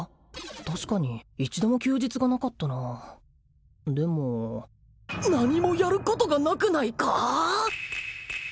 確かに一度も休日がなかったなでも何もやることがなくないか？